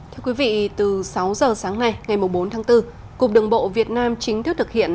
thưa quý vị từ sáu giờ sáng ngày ngày bốn tháng bốn cục đường bộ việt nam chính thức thực hiện